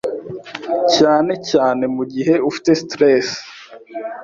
cyane cyane mu gihe ufite stress